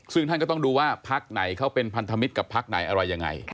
ซึ่งท่านก็ต้องดูว่าพักไหนเขาเป็นพันธมิตรกับพักไหนอะไรยังไง